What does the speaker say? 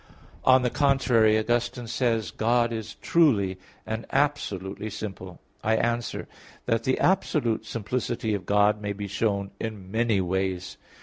On the contrary, Augustine says (De Trin. iv, 6,7): "God is truly and absolutely simple." I answer that, The absolute simplicity of God may be shown in many ways.